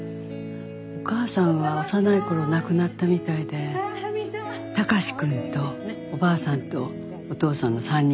お母さんは幼いころ亡くなったみたいで高志くんとおばあさんとお父さんの３人暮らし。